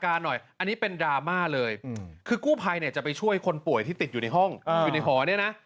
อันนี้เป็นดราม่าเลยคือกู้ภัยเนี่ยจะไปช่วยคนป่วยที่ติดอยู่ในห้องอยู่ในหอเนี่ยนะ